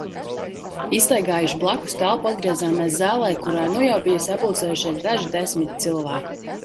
Izstaigājuši blakus telpu, atgriezāmies zālē, kurā nu jau bija sapulcējušies daži desmiti cilvēku.